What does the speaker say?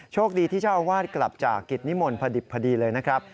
โชคดีที่เจ้าอาวาสกลับจากกิจนิมนต์พอดิบพอดีเลยนะครับ